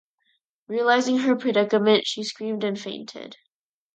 Realizing her predicament, she screamed and fainted.